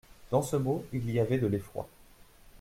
Dans ce mot, il y avait de l'effroi.